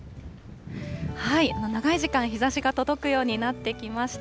長い時間、日ざしが届くようになってきました。